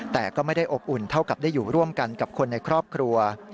แต่ก็ไม่ได้อบอุ่นเท่ากับได้อยู่ร่วมกันกับคนในครอบครัว